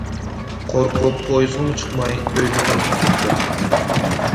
قورقۇپ پويىزغىمۇ چىقماي، ئۆيىگە قايتىپ كەپتۇ.